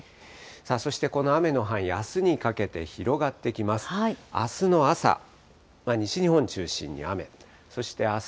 そしてこの雨の範囲、あすにかけて広がってきます。